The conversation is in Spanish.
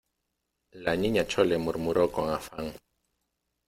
la Niña Chole murmuró con afán: